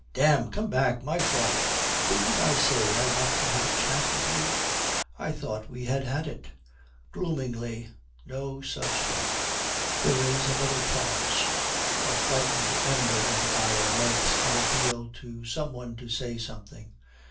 Damn. Come back. My fault. Didn't I say I wanted to have a chat with you?' 'I thought we had had it.' Gloomingly, 'No such luck.' There is another pause. A frightened ember in the fire makes an appeal to some one to say something.